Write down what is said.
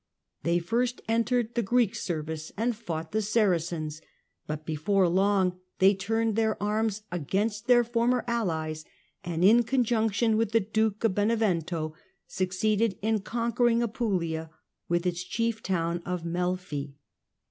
They first entered the Greek service and fought the Saracens, but before long they turned their arms against their former allies, and in conjunction with the duke of Benevento succeeded in conquering Apulia, with its chief town Melfi.